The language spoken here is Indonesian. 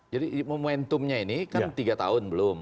jadi momentumnya ini kan tiga tahun belum